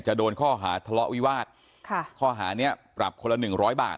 โดนข้อหาทะเลาะวิวาสค่ะข้อหาเนี้ยปรับคนละหนึ่งร้อยบาท